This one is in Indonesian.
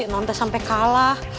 ke arah sama kita